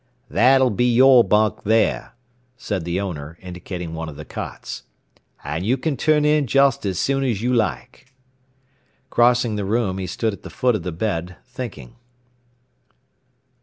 "That'll be your bunk there," said the owner, indicating one of the cots. "And you can turn in just as soon as you like." Crossing the room, he stood at the foot of the bed, thinking.